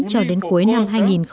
cho đến cuối năm hai nghìn một mươi bảy